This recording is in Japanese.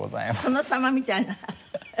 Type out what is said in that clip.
殿様みたいな。